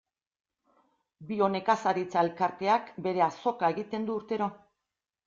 Bionekazaritza elkarteak bere azoka egiten du urtero.